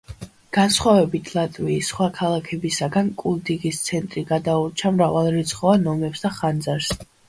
განსხვავებით ლატვიის სხვა ქალაქებისაგან, კულდიგის ცენტრი გადაურჩა მრავალრიცხოვან ომებს და ხანძარს.